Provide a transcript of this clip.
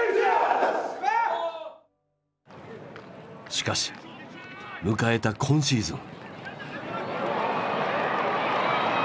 しかし迎えた今シーズン。